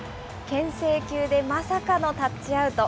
けん制球でまさかのタッチアウト。